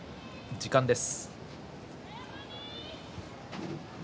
時間です。